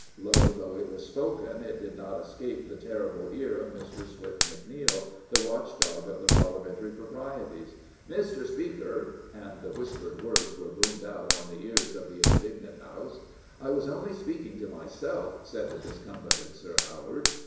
Low though it was spoken, it did not escape the terrible ear of Mr. Swift MacNeill, the watch dog of the Parliamentary proprieties. " Mr. Speaker — and the whispered words were boomed out on the ears of the indignant House. I was only speaking to myself said the discomfited Sir Howard.